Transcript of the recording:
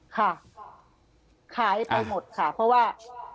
ค่ะขายไปหมดค่ะเพราะว่า